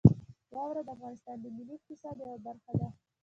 واوره د افغانستان د ملي اقتصاد یوه برخه ده.